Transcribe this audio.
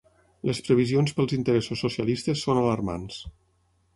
Les previsions pels interessos socialistes són alarmants.